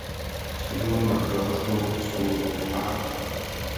Studoval na Glasgow School of Art.